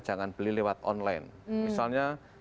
jangan beli lewat online misalnya